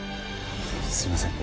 すいません。